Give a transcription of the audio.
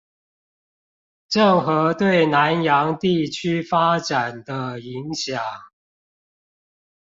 鄭和對南洋地區發展的影響